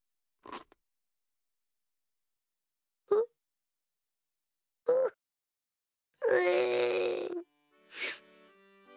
うううえん。